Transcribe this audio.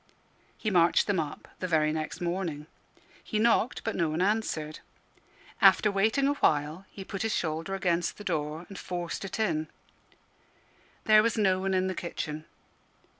He marched them up the very next morning. He knocked, but no one answered. After waiting a while, he put his shoulder against the door, and forced it in. There was no one in the kitchen.